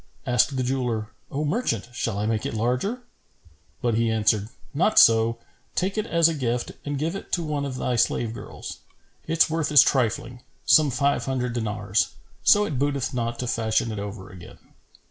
Asked the jeweller, "O merchant, shall I make it larger?" But he answered, "Not so; take it as a gift and give it to one of thy slave girls. Its worth is trifling, some five hundred dinars; so it booteth not to fashion it over again."